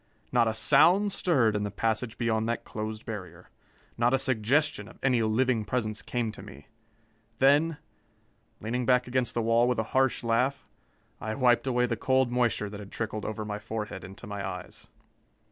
Not a sound stirred in the passage beyond that closed barrier. Not a suggestion of any living presence came to me. Then, leaning back against the wall with a harsh laugh, I wiped away the cold moisture that had trickled over my forehead into my eyes.